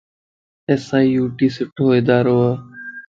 ايس. آئي. يو. ٽي سھڻو ادارو وَ.